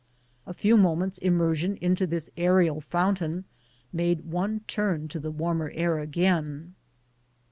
A few moments' immersion into this aerial fountain made one turn to the warmer air again.